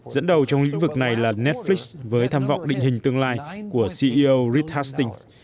dẫn đầu trong lĩnh vực này là netflix với tham vọng định hình tương lai của ceo reed hastings